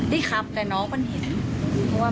พี่ขับแต่น้องมันเห็น